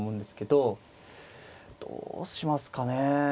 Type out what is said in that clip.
どうしますかね。